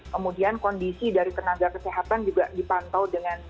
kemudian kondisi dari tenaga kesehatan juga dipantau dengan